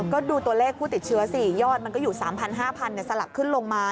ก็ดูตัวเลขผู้ติดเชื้อสิยอดมันก็อยู่๓๐๐๕๐๐สลับขึ้นลงมา